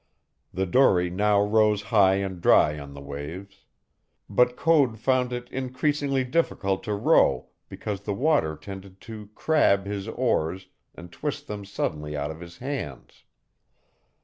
The dory now rose high and dry on the waves; But Code found it increasingly difficult to row because the water tended to "crab" his oars and twist them suddenly out of his hands.